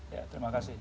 ya terima kasih